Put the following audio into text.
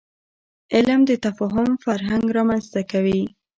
علم د تفاهم فرهنګ رامنځته کوي.